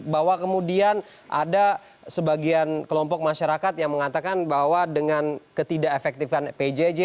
bahwa kemudian ada sebagian kelompok masyarakat yang mengatakan bahwa dengan ketidak efektifan pjj